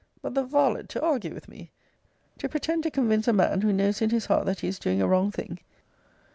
But the varlet to argue with me! to pretend to convince a man, who knows in is heart that he is doing a wrong thing!